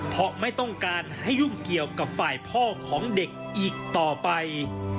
เพราะไม่ต้องการให้ยุ่งเกี่ยวกับฝ่ายพ่อของเด็กอีกต่อไป